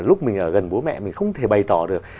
lúc mình ở gần bố mẹ mình không thể bày tỏ được